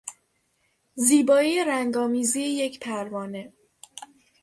زیبایی رنگ آمیزی یک پروانه